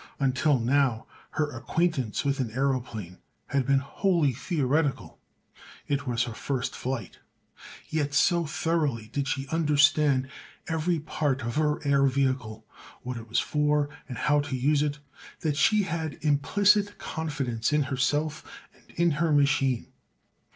Until now her acquaintance with an aëroplane had been wholly theoretical; it was her first flight; yet so thoroughly did she understand every part of her air vehicle—what it was for and how to use it—that she had implicit confidence in herself and in her machine.